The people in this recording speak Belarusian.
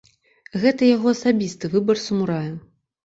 Гэта яго асабісты выбар самурая.